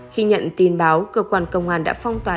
khi nhận tin báo cơ quan công an đã phong tỏa